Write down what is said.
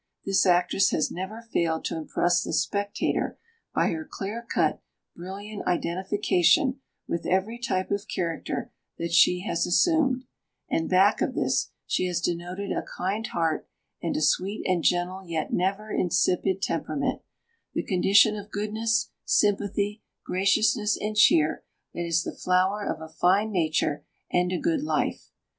This actress has never failed to[Pg 378] impress the spectator by her clear cut, brilliant identification with every type of character that she has assumed; and, back of this, she has denoted a kind heart and a sweet and gentle yet never insipid temperament—the condition of goodness, sympathy, graciousness, and cheer that is the flower of a fine nature and a good life.